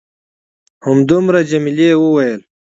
همدومره؟ جميلې وويل:.